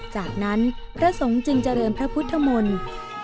จากนั้นพระสงฆ์จึงเจริญพระพุทธมนต์